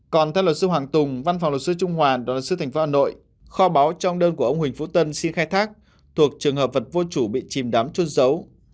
còn theo luật sư hoàng tùng văn phòng luật sư trung hòa đoàn luật sư tp hà nội kho báu trong đơn của ông huỳnh phú tân xin khai thác thuộc trường hợp vật vô chủ bị chìm đám trôn giấu